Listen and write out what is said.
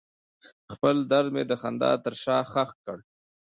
خپل درد مې د خندا تر شا ښخ کړ.